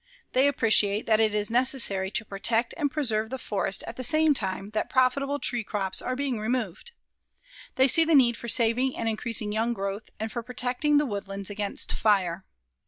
They appreciate that it is necessary to protect and preserve the forest at the same time that profitable tree crops are being removed. They see the need for saving and increasing young growth and for protecting the woodlands against fire.